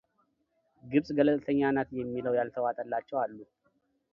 ግብጽ ገለልተኛ ናት የሚለው ያልተዋጠላቸው አሉ።